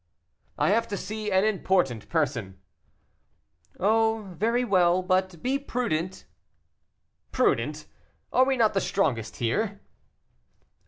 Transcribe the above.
"I have to see an important person." "Oh, very well; but be prudent." "Prudent! are we not the strongest here?"